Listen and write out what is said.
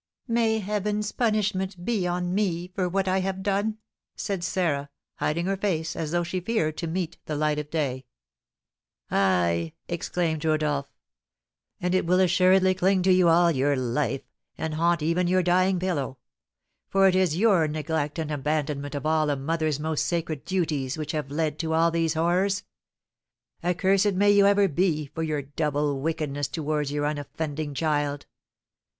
"May Heaven's punishment be on me for what I have done!" said Sarah, hiding her face as though she feared to meet the light of day. "Ay!" exclaimed Rodolph. "And it will assuredly cling to you all your life, and haunt even your dying pillow; for it is your neglect and abandonment of all a mother's most sacred duties which have led to all these horrors. Accursed may you ever be for your double wickedness towards your unoffending child!